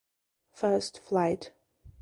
First Flight.